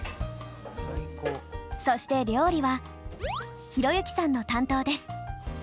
そして料理は寛之さんの担当です。